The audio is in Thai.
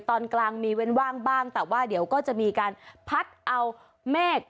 ตอนกลางมีเว้นว่างบ้างแต่ว่าเดี๋ยวก็จะมีการพัดเอาเมฆ